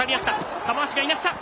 玉鷲がいなした。